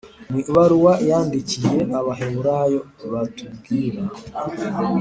mu ibaruwa yandikiye abahebureyi batubwira